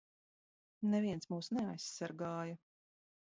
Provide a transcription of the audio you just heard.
Neviens mūs neaizsargāja!